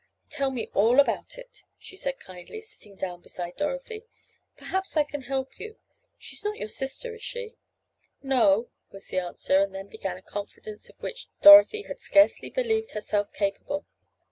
"Tell me all about it," she said kindly, sitting down beside Dorothy. "Perhaps I can help you. She is not your sister, is she?" "No," was the answer, and then began a confidence of which Dorothy had scarcely believed herself capable.